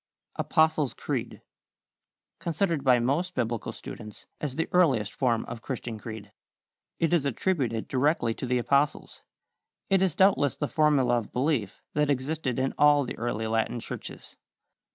=Apostles' Creed.= Considered by most Biblical students as the earliest form of Christian creed. It is attributed directly to the Apostles. It is doubtless the formula of belief that existed in all the early Latin churches.